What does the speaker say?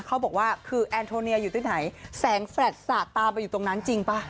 เขาบอกว่าคือแอนโทเนียอยู่ที่ไหนแสงแฟลตสาดตาไปอยู่ตรงนั้นจริงป่ะ